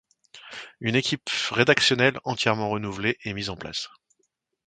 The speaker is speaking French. Une équipe rédactionnelle entièrement renouvelée est mise en place.